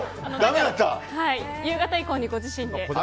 夕方以降にご自身で。